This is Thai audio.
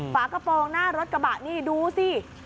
ฝากระโปรงหน้ารถกระบะนี่ดูสิ